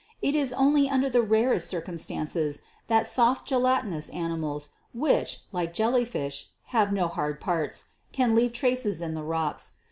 It is only under the rarest circum stances that soft, gelatinous animals, which (like jelly fish) have no hard parts, can leave traces in the rocks.